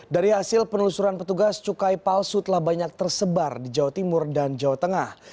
dari hasil penelusuran petugas cukai palsu telah banyak tersebar di jawa timur dan jawa tengah